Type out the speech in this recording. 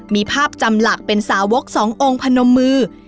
มีภาพจำหลักเป็นสาวกสององค์พนมมือ